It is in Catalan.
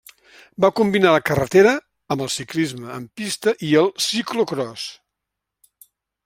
Va combinar la carretera amb el ciclisme en pista i el ciclocròs.